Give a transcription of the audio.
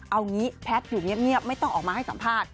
เอางี้แพทย์อยู่เงียบไม่ต้องออกมาให้สัมภาษณ์